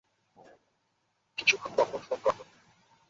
কিছুক্ষণ পরপর ফোন করবোনি।